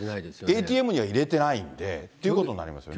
ＡＴＭには入れてないんでということになりますよね。